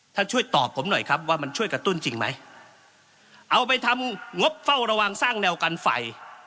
ช่วยตอบผมหน่อยครับว่ามันช่วยกระตุ้นจริงไหมเอาไปทำงบเฝ้าระวังสร้างแนวกันไฟ